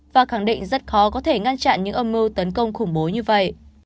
và khẳng định rất khó có thể ngăn chặn những âm mưu tấn công khủng bố như vậy